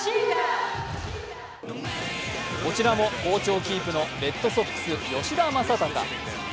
こちらも好調キープのレッドソックス・吉田正尚。